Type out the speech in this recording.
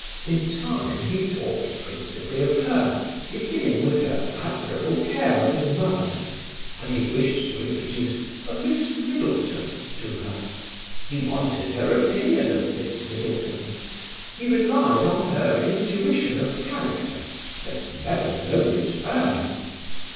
In time he talked principally of her, beginning with her admirable care of his mother; and he wished to introduce "a Miss Middleton" to her; he wanted her opinion of Miss Middleton; he relied on her intuition of character, had never known it err.